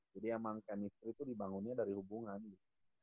jadi emang chemistry tuh dibangunnya dari hubungan gitu